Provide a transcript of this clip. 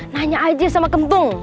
nanya aja sama kentung